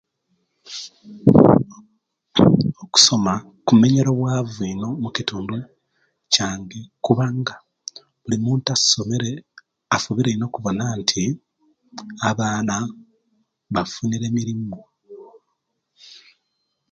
Okusoma kimenyere obwavu ino omukitundu kyange kubanga buli muntu asomere afubire ino kubona nti abaana bafunile omulimu